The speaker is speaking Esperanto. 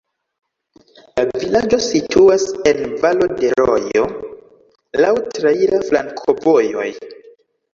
La vilaĝo situas en valo de rojo, laŭ traira flankovojoj.